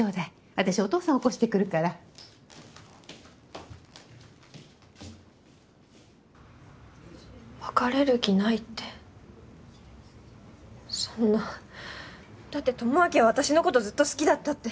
私お父さん起こしてくるから別れる気ないってそんなだって智明は私のことずっと好きだったって！